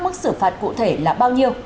mức xử phạt cụ thể là bao nhiêu